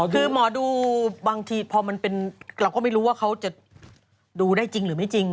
คือหมอดูบางทีพอมันเป็นเราก็ไม่รู้ว่าเขาจะดูได้จริงหรือไม่จริง